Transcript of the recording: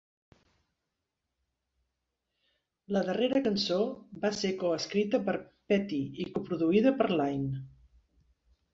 La darrera cançó va ser co-escrita per Petty i coproduïda per Lynne.